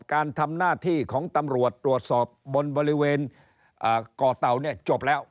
การทำหน้าที่ของตำรวจตรวจสอบบนบริเวณก่อเต่าเนี่ยจบแล้ว